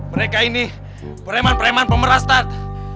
mereka ini pereman pereman pemeras tad